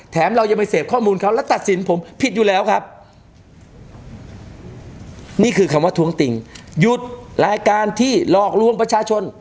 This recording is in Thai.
เรายังไปเสพข้อมูลเขาและตัดสินผมผิดอยู่แล้วครับนี่คือคำว่าท้วงติงหยุดรายการที่หลอกลวงประชาชน